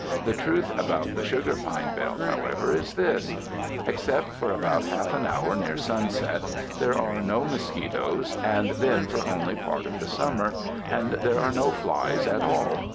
The truth about the sugar pine belt however, is this: Except for about half an hour near sunset, there are no mosquitoes, and then for only part of the summer, and there are no flies at all.